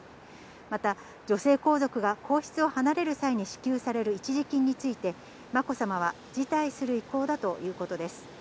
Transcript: また、女性皇族が皇室を離れる際に支給される一時金について、まこさまは辞退する意向だということです。